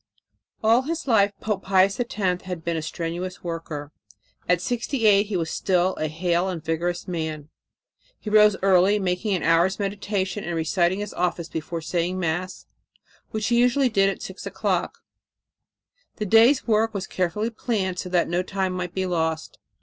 All his life Pope Pius X had been a strenuous worker. At sixty eight he was still a hale and vigorous man. He rose early, making an hour's meditation and reciting his Office before saying Mass, which he did usually at six o'clock. The day's work was carefully planned so that no time might be lost.